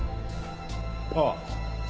ああ。